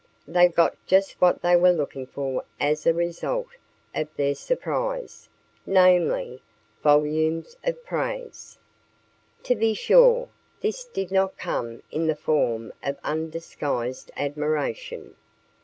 They got just what they were looking for as a result of their "surprise," namely, volumes of praise. To be sure, this did not come in the form of undisguised admiration.